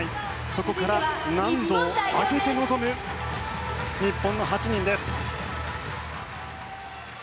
そこから難度を上げて臨む日本の８人です。